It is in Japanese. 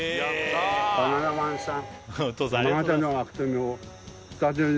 バナナマンさん